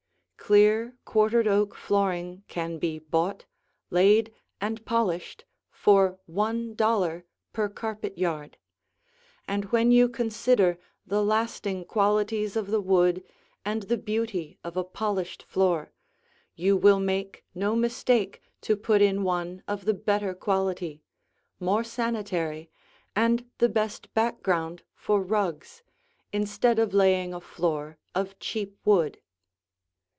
Clear quartered oak flooring can be bought, laid, and polished for one dollar per carpet yard, and when you consider the lasting qualities of the wood and the beauty of a polished floor, you will make no mistake to put in one of the better quality, more sanitary, and the best background for rugs, instead of laying a floor of cheap wood.